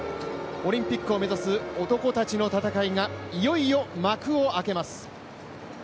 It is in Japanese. オリンピックを目指す男たちの戦いがいよいよ幕を開けます。